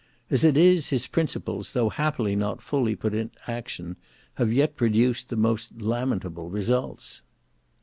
As it is, his principles, though happily not fully put in action, have yet produced most lamentable results.